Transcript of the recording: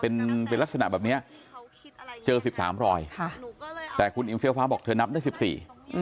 เป็นเป็นลักษณะแบบเนี้ยเจอสิบสามรอยค่ะแต่คุณอิงเฟี้ยฟ้าบอกเธอนับได้สิบสี่อืม